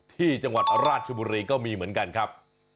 ที่จังหวัดราชบุรีก็มีเหมือนกันครับ